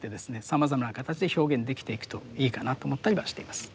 さまざまな形で表現できていくといいかなと思ったりはしています。